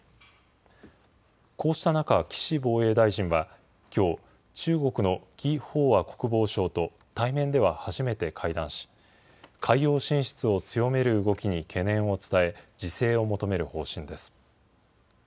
こうした中、岸防衛大臣はきょう、中国の魏鳳和国防相と対面では初めて会談し、海洋進出を強める動きに懸念を伝え、自制を求める方針です。